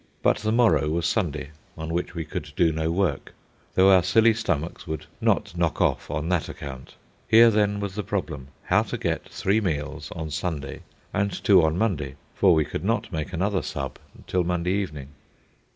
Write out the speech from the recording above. But the morrow was Sunday, on which we could do no work, though our silly stomachs would not knock off on that account. Here, then, was the problem: how to get three meals on Sunday, and two on Monday (for we could not make another "sub" till Monday evening).